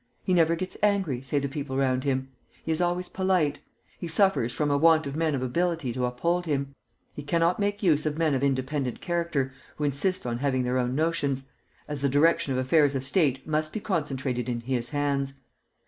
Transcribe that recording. He never gets angry, say the people round him. He is always polite.... He suffers from a want of men of ability to uphold him. He cannot make use of men of independent character, who insist on having their own notions, as the direction of affairs of State must be concentrated in his hands.